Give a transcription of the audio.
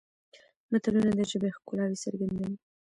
متلونه د ژبې ښکلاوې څرګندوي